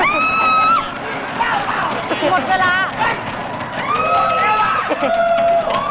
หมดแล้วอ่ะ